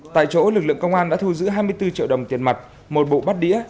tại chỗ lực lượng công an đã thu giữ hai mươi bốn triệu đồng tiền mặt một bộ bát đĩa